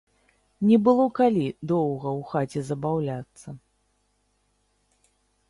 Не было калі доўга ў хаце забаўляцца.